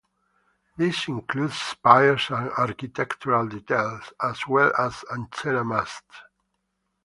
This includes spires and architectural details, as well as antenna masts.